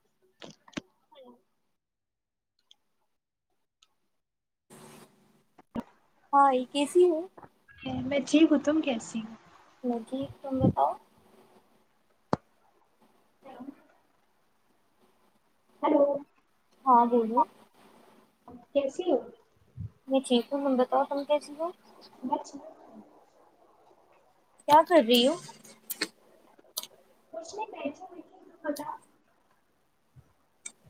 [inaudible] ہاں یہ کیسی ہو میں ٹھیک ہوں تم کیسی جٹھیک تم بتاؤ [inaudible] ہلو ہاں دی [unintelligible] میں ٹھیک ہوں ہم بتاؤ تم کیسی ہو [unintelligible] [unintelligible] کیا کر رہی ہوں کش نہیں کہ و ہوتا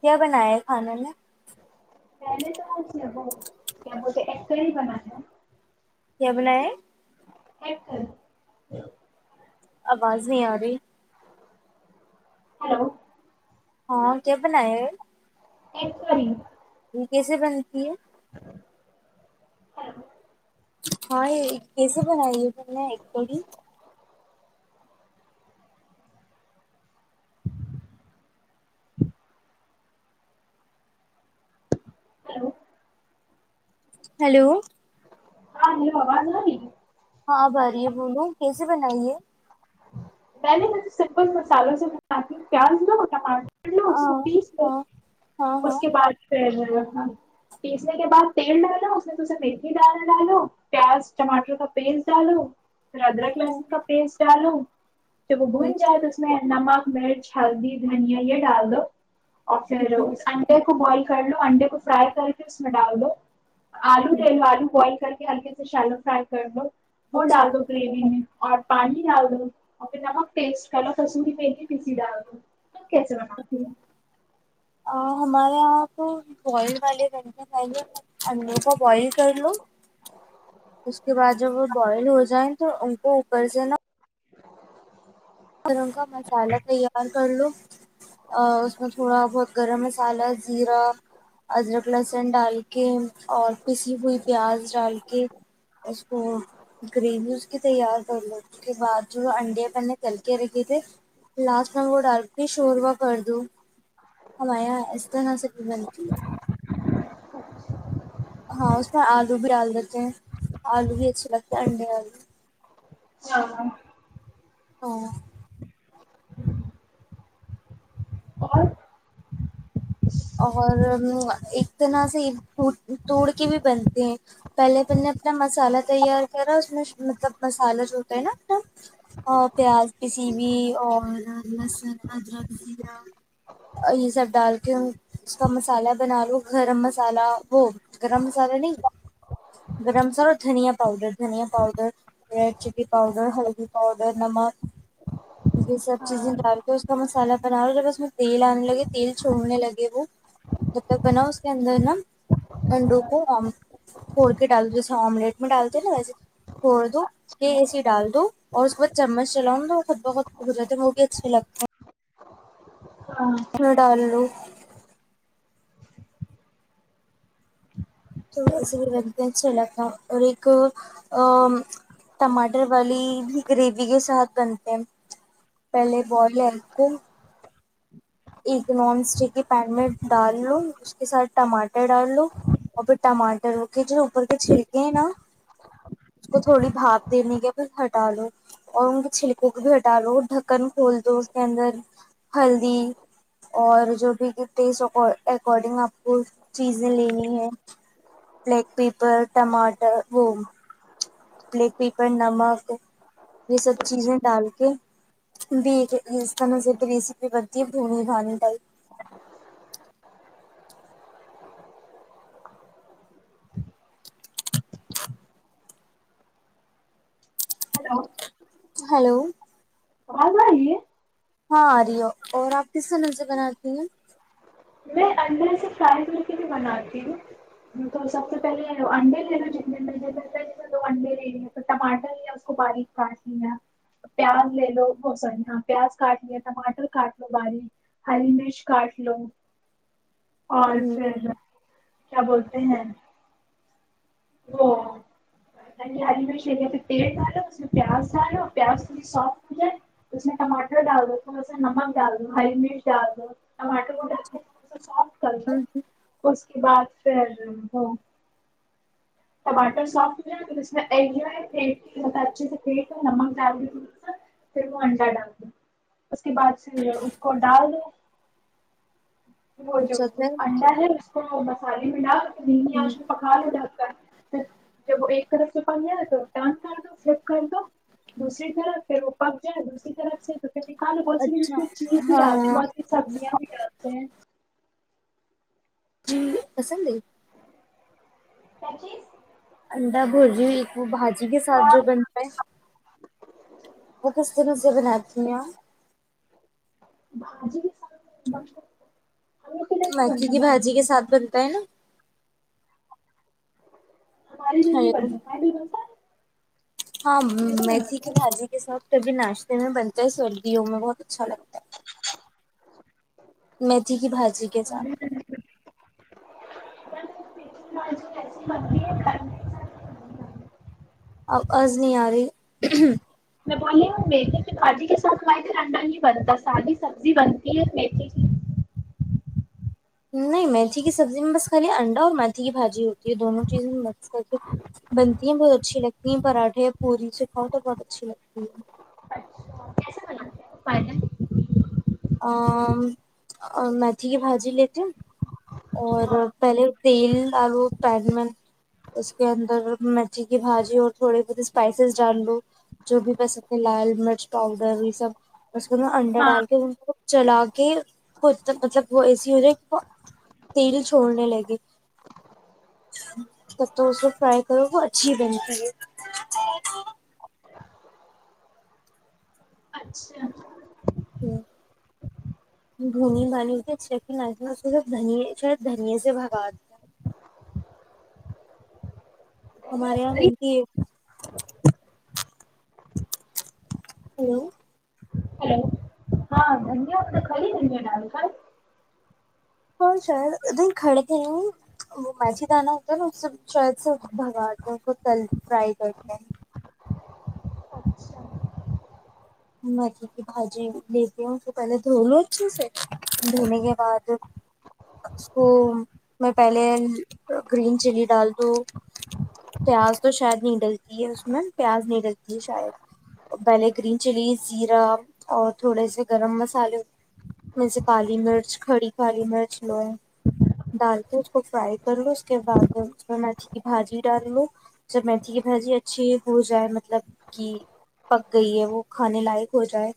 کیا بنایا ہے کھانے نے میں نے تو وہ کیا ب تو ایک کر ہی بنایا کیا بنا ہے ہ کرر آواز نہیں آ رہی ہیلو ہاں کیا بناائے ایکسی کیسے بنتی ہے ہیلو ہاں یہ کیسے بنائی ہے نے ایک کڑی [inaudible] ہیلو ہلو ہاں جی آواز نہیںی ہاں بھاری بولو کیسے بنائیے میں نے م سمپل مسالوں سےاتتی ہوں پز ن م پ لو اس کو ہاں پیس لو ہاں ہاں اس ہاں کے بعد پ ہ پیسنے کے بعد تیل ڈالو اس میں تے مرگی دالا ڈالو پیاز ٹماٹر کا پیسٹ ڈالو پھر ادراک اچھا لہسن کا پیس چالو [unintelligible] جب وہ ہوں، بھن جائے تو اس میں نمک مرچ ہلدی دھنیا یہ ڈال دو اور پھر ہوں، سنڈے کو بوائل کر لو انڈے کو فرائی کر کے اس میں ڈال دوو آلو ہوں، لے لو آلو بوائل کر ہلکے سے شالو فرائی کر لو وہ اچھا ڈال دو گریوی میں اور پانچ ا پس پہ کسور پ پیسی دیا [unintelligible] کیسے بناتی ہوں۔ ہے ہمارے یہاں تو بوائل والے گھنٹے پہلے انڈے کو بوائل کر لو اس کے بعد جب وہ بوائل ہو جائیں تو ان کو اوپر سے نا گرم کا مسالحہ تیار کر لو اس میں تھوڑا بہت گرم مسالحہ زیرہ ادرک لہسن ڈال کے اور پسی ہوئی پیاز ڈال کے اس کو گریوی اس کی تیار کر لو اس کے بعد جو انڈے بنے چل کے رکھے تھے لاسٹ میں وہ ڈر بھی شوربا کر دوں ہماے یہاں اس طرح سے بنٹی ہے [unintelligible] ہاں اس میں آلو بھی ڈال دیتے ہیں آلو بھی اچھے لگتے ہے انڈے آو ہاں ہاں اور اور ایک طرح سے توڑ کے بھی بنتے ہیں پہلے میں نے اپنا مسالہ تیار کرا اس میں مطلب مسالہ جو ہوتا ہے نا اپنا پیاز پسی ہو اور لہسن ادرکرا یہ سب ڈال کے اس کا مسالہ بنا لو گرم مسالہ ہو گرم مسالہ نہیں گرم مسالہ دھنیا پاؤڈر دھنیا پاؤڈر ریڈ چلی پاؤڈر ہلدی پاؤڈر نمک یہ سب چیزیں ہاں ڈال کے اس کا مسلہ مسالا بنااے بس میں تل آنے لگے تل چھوڑنے لگے وہ جب تک بنا اس کے اندر نا انڈو ہاں کو پھوڑ کے ڈال دو جیسے آملیٹ میں ڈالتے نا ویسے پھوڑ دو کہ ایسے ڈال دو اور اس کے بعد چمچ چلاؤں تو خود بہ خود ہو جاتا ہے وہ بھی اچھا لگتا ہے ڈالو [unintelligible] تو ویسے بھی بنتے اچھا لگتا اور ایک ٹماٹر والی بھی گریوی کے ساتھ بنتے ہیں پہلے بوائل ہے ان کو ایک نان اسٹک کے پین میں ڈال لو اس کے ساتھ ٹماٹر ڈال لو اور پھر ٹماٹر کے جو اوپر کے چھلکے ہیں نا اس کو تھوڑی بھاپ دینے کے پھر ہٹا لو اور ان کے چھلکوں کو بھی ہٹا لو ڈھکن کھول دو اس کے اندر ہلدی اور جو بھی ٹیسٹ اکارڈنگ آپ کو چیزیں لینی ہے بلیک پیپر ٹماٹر وہ پلیٹ پیپر نمک یہ سب چیزیں ڈال کے بھی اس کا میں س ریسیپی بنتی ہے بھنی بھانی ڈل ہلو ہلو آواز آئی ہاں آریو اور آپ کس سے مزے بناتی ہیں میں انڈے سے فرائی کر کے بھی بناتی ہوں تو سب سے پہلے انڈے لے لو جتنے میں نے جیسے دو انڈے لے لے تو ٹماٹر لیا اس کو باریک کاٹ لیا پیاز کاٹ لے لو بایک ہاں پیاز کاٹ لیا ٹماٹر کاٹ لو باریک ہلی مرچ کاٹ لو اور ہوں پھر کیا بولتے [unintelligible] [unintelligible] [unintelligible] ہ [unintelligible] ٹماٹر سافٹ ہو ج پھر اس زیا اچھے سے پھی نمک ڈال دا سا پھر وہ انڈا ڈال د اس کے بعد پ اس کو ڈال دو [unintelligible] [unintelligible] اچھا پھر ہوں، [unintelligible] جب وہ ایک طرف سے پک جائےا تو ٹرن کر دو فلپ کر دو دوسری طرف پھر وہ پک جائے دوسری طرف سے کا بہ اس اچھا میں چیز بھی ہاں ڈالتے ہاں ہیں بہت کی سبزیاں بھی ڈالتے ہیں جی پسند ہے سچیز انڈا بجی ایک بج جی کے ساتھ اور جو بنتا ہے وہ کس طرح سے بناتی ہیں [unintelligible] ادھر نہیں مکھی بنتا کی بھجی بھاجی کے ساتھ بنتا ہے نا ہمارے ادھر ہ نہیں بنتا ہمارے ادھر بنتا ہے، ہاں کیسے میتھی کے بناتے ہیں بھاجی کے ساتھ کبھی ناشتے میں بنتے ہیں سردیوں میں بہت اچھا لگتا ہے میتھی کی بھاجی کے ساتھ اچھا [unintelligible] اب آز نہیں آ رہی [unintelligible] نہیں میتھی کی سبزی میں بس خالی انڈا اور میتھی کی بھاجی ہوتی ہے دونوں چیزیں مست کر کے بنتی ہیں بہت اچھی لگتی ہیں پراٹھے یا پوری سے کاؤ تو بہت اچھی لگتی ہے کیسے بنا فائل اور میتھی کی بھجی لیتے اور پہلے تیل ڈالو پین میں اس کے اندر مرچی کی بھجی اور تھوڑی بہت اسپائسیز ڈال لو جو بھی پسک لال مرچ پاؤڈر یہ سب اس انڈا ہاں ڈال کے چلا کے خود مطلب وہ ایسی ہو جائے وہ تیل چھوڑنے لگے تب تو اس کو فرائی کرو وہ اچھی بنتی ہے اچھا اچھا دھنی بال ہوتی ل اس د شاید دھنییا سے بھگاتا ہمارے یہاں می ہیلو ہلو [unintelligible] اور شاید ام کھڑے تھ نہیں وہ میچی دانا ہوتا ہے نا اس شید سے بھگااتتے تل فرائی کرتے ہیں اچھا مکھی کی بھاجی لیتے ہ اس کو پہلے دھو لو اچھے سے دھونے کے بعد اس کو میں پہلے گرین چلی ڈال دو پیاز تو شاید نہیں ڈلتی ہے اس میں پیاز نہیں ڈلتی ہے شاید پہلے گرین چلی زیرہ اور تھوڑے سے گرم مسالے میں سے کالی مرچ کھڑی کالی مرچ لوئے ڈال کے اس کو فرائی کر لو اس کے بعد اس میں میتھی کی بھاجی ڈال لو جب میتھی کی بھاجی اچھی ہو جائے مطلب کہ پک گئی ہے وہ کھانے لائق ہو جائے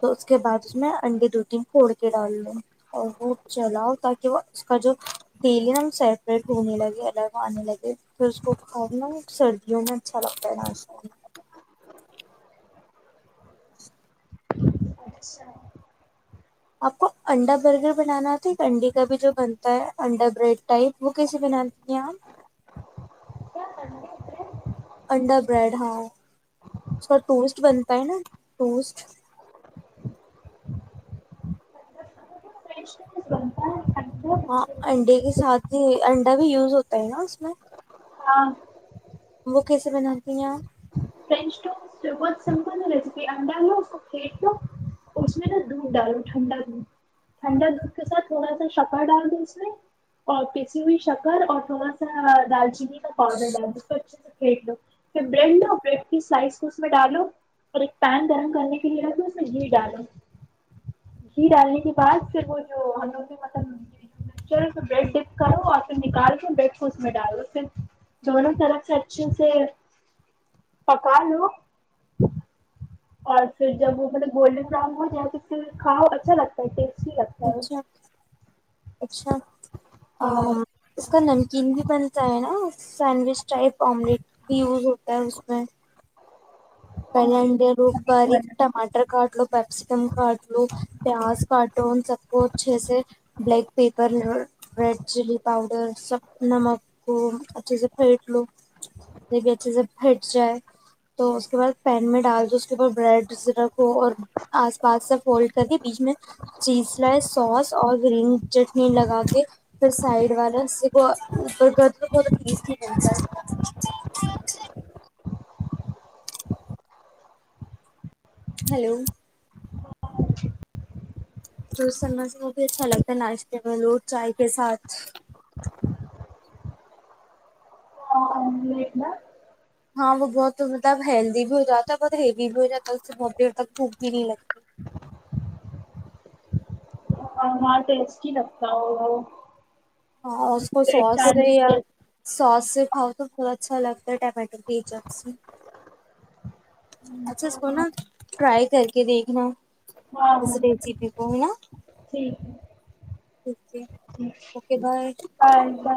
تو اس کے بعد اس میں انڈے دو تین پھوڑ کے ڈال لو اور وہ جلاؤ تاکہ وہ اس کا جو تیل ہے نا سیپریٹ ہونے لگے الگ آنے لگے پھر اس کو کھاؤ نا سردیوں میں اچھا لگتا ہے ناش کر اچھا آپ کو انڈا برگر بنانا آتا ایک انڈی کا بھی جو بنتا ہے انڈا بریڈ ٹائپ وہ کیسے بناتے ہیں آپ کیا کرنا ہے؟ انڈا بریڈ ہاں اس کا ٹوسٹ بنتا ہے نا ٹوسٹ ستا [unintelligible] ہاں انڈے کے ساتھ ہی انڈا بھی یوز ہوتا ہے نا اس میں ہاں وہ کیسے بناتی ہیں فرنچ ٹوسٹ بہت سمپل نا ریسیپی انڈا ہو اس کو پھینٹ لو اس میں نا دودھ ڈالو ٹھنڈا دھ ٹھنڈا دودھ کے ساتھ تھوڑا سا شکر ڈال دو اس میں اور پیسی ہوئی شکر اور تھوڑا سا دالچینی کا پاؤڈر ڈال دو اس کو اچھے سے پھینٹ لو پھر بریڈ بڈ سائز کو اس میں ڈالو اور ایک پین گرم کرنے کے لیے رو اس میں گھی ڈالو گھی ڈالنے کے بعد پھر وہ جو ہمو مطلب مچر ہے بریڈ ڈپ کرو اور پھر نکال کے بریڈ کو اس میں ڈالو پھر دونوں طرف سے اچھے سے پکالو اور پھر جب وہ مطلب گولڈن براؤن ہو جائے تو پھر کھاؤ اچھا لگتا ہے ٹیٹ چھی لگتا ہے اچھا اچھا ہاں اس کا نمکین بھی بنتا ہے نا سینڈوچ ٹائپ آملیٹ بھی یوز ہوتا ہے اس میں پہلے انڈے لو روپ باری ٹماٹر کٹ ل پپسکم کٹ ل پیاز کٹو ان سب کووچس black pepper red chilli powder س نمک کو اچھے سے پھیٹ لو جب ھبی اچھے سے پھیٹ جائے تو اس کے بعد پین میں ڈال دو اس کے اوپر بریڈ رکھو اور آس پاس سے فولڈ کر کے بیچ میں چیز سوس اور گرین چٹنی لگا کے پھر سائڈ والا اس کو اوپر کر لو بہت ٹیسٹی بنتا تاہے ہیلو ڈو سا ماسک بھی اچھا لگتا ہے ناشتے میں لو چائے کے ساتھ آملیٹ نا ہاں وہ بہت مطلب ہیلدی بھی ہو جاتا ہے بہت ہیوی بھی ہو جاتا ہے اس سے بہت دیر تک بھوک بھی نہیں لگتی اور ہاں ٹیس ہی لگتا ہو وہ ہاں اس کو سوس چار یا منٹ، سوس اؤ تو تھوڑا اچھا لگتا ہے ٹمٹرکیچپ اچھا اسکونا ہاں ٹرائی کر کے دیکھنا اس ہاں ریسیپی ک نا اوکے اوکے بائے آ [unintelligible]